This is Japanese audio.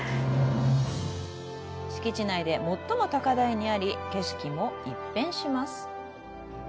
敷地内で最も高台にあり景色も一変します。